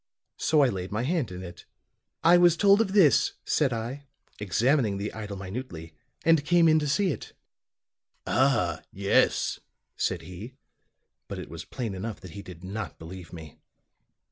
So I laid my hand in it. "'I was told of this,' said I, examining the idol minutely, 'and came in to see it.' "'Ah, yes,' said he. But it was plain enough that he did not believe me.